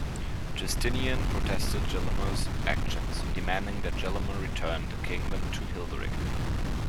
Justinian protested Gelimer's actions, demanding that Gelimer return the kingdom to Hilderic.